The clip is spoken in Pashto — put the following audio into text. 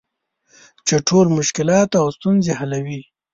چې ټول مشکلات او ستونزې حلوي .